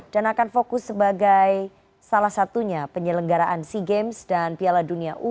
dan akan fokus sebagai salah satunya penyelenggaraan sea games dan piala dunia u dua puluh